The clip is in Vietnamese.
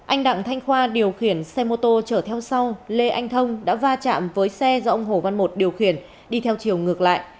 anh đặng thanh khoa điều khiển xe mô tô chở theo sau lê anh thông đã va chạm với xe do ông hồ văn một điều khiển đi theo chiều ngược lại